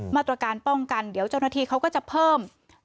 มาตรการป้องกันเดี๋ยวเจ้าหน้าที่เขาก็จะเพิ่ม